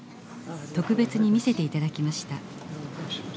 特別に見せて頂きました。